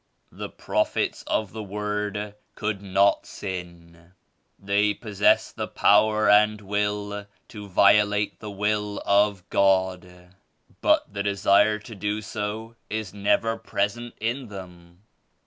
"The Prophets of the Word could not sin. They possess the power and will to violate the Will of God but the desire to do so is never pres ent in them.